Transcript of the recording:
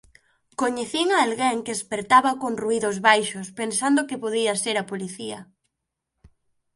Coñecín a alguén que espertaba con ruídos baixos, pensando que podía ser a policía.